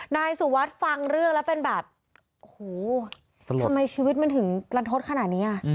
นายสุวัสดิ์ฟังเรื่องแล้วเป็นแบบโอ้โหทำไมชีวิตมันถึงลันทดขนาดนี้อ่ะ